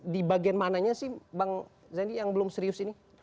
di bagian mananya sih bang zaindi yang belum serius ini